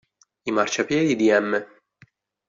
I marciapiedi di m.